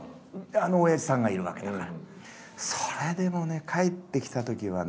あのおやじさんがいるわけだから。